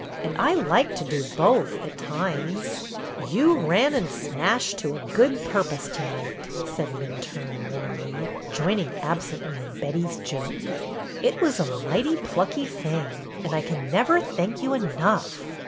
"And I like to do both, at times !" "You ran and smashed to good purpose to night," said Minturne, warmly, joining absently in Betty's joke. "It was a mighty plucky thing, and I can never thank you enough."